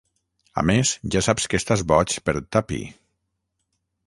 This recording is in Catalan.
A més, ja saps que estàs boig per Tuppy.